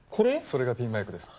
それがピンマイクです。